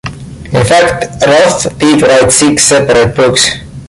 In fact, Roth did write six separate books.